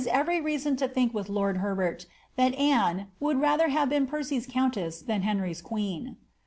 erery reason to tiiink with lord Herbert, that Anne ^ wonld rather have been Percy's countess than Henry's queen."